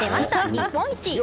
日本一！